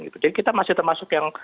jadi kita masih termasuk yang